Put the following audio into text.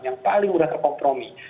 yang paling mudah terkompromi